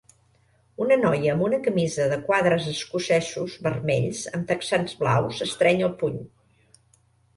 Una noia amb una camisa de quadres escocesos vermells amb texans blaus estreny el puny.